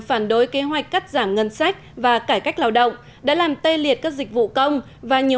phản đối kế hoạch cắt giảm ngân sách và cải cách lao động đã làm tê liệt các dịch vụ công và nhiều